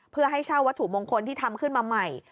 เพื่อให้เช่าวัตถุมงคลที่ทำขึ้นมาใหม่